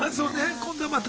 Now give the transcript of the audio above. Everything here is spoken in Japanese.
今度また。